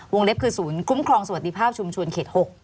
เล็บคือศูนย์คุ้มครองสวัสดิภาพชุมชนเขต๖